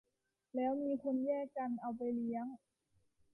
แล้วมีคนแยกกันเอาไปเลี้ยง